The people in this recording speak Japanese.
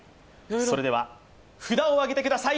それでは札をあげてください